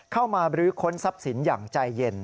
มาบรื้อค้นทรัพย์สินอย่างใจเย็น